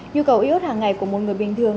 nhu cầu iốt hàng ngày của một người bình thường